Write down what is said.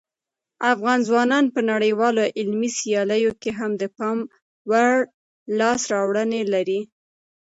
افغان ځوانان په نړیوالو علمي سیالیو کې هم د پام وړ لاسته راوړنې لري.